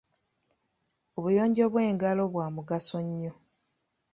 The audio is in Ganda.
Obuyonjo bw'engalo bwa mugaso nnyo.